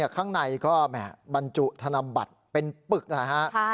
ข้างในก็บรรจุธนบัตรเป็นปึกนะฮะ